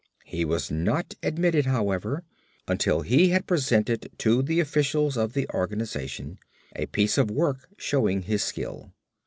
He was not admitted, however, until he had presented to the officials of the organization a piece of work showing his skill.